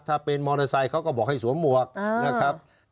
ถ้าเป็นมอเตอร์ไซค์เขาก็บอกให้สวมหมวกนะครับ